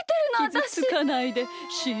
きずつかないでしんじてよ。